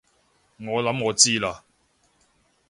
我諗我知喇